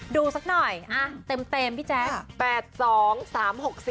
ดูสักหน่อยอ่ะเต็มพี่แจ๊ค